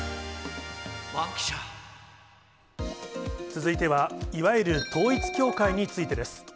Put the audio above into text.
続いては、いわゆる統一教会についてです。